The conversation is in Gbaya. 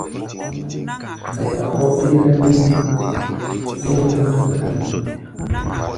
Kaya ɔ́ ɓérá nyɛ́mná, ɛ́ɛ́ dáŋ takáɗi.